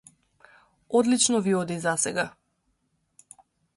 Одлично ви оди засега.